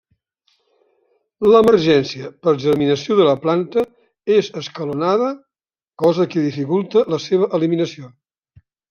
L'emergència per germinació de la planta és escalonada cosa que dificulta la seva eliminació.